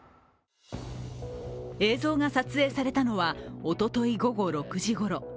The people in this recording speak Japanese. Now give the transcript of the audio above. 映像が撮影されたのはおととい午後６時ごろ。